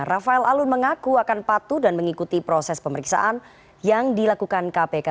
rafael alun mengaku akan patuh dan mengikuti proses pemeriksaan yang dilakukan kpk